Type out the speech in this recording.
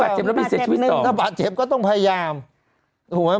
เจ็บแล้วไม่เสียชีวิตต่อถ้าบาดเจ็บก็ต้องพยายามถูกไหม